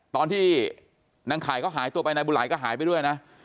ตอนที่นางขายเขาหายตัวไปนายบุไหลก็หายไปด้วยนะ